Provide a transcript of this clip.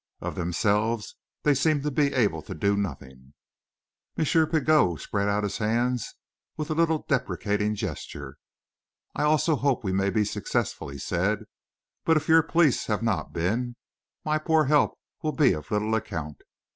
Of themselves, they seem to be able to do nothing." M. Pigot spread out his hands with a little deprecating gesture. "I also hope we may be successful," he said; "but if your police have not been, my poor help will be of little account.